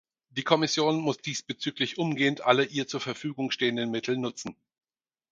Die Kommission muss diesbezüglich umgehend alle ihr zur Verfügung stehenden Mittel nutzen.